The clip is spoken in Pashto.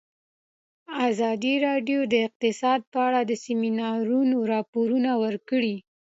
ازادي راډیو د اقتصاد په اړه د سیمینارونو راپورونه ورکړي.